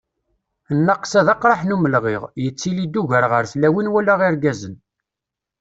Nnaqsa d aqraḥ n umelɣiɣ, yettili-d ugar ɣer tlawin wala irgazen.